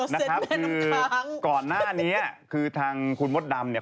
นะครับคือก่อนหน้านี้คือทางคุณมดดำเนี่ย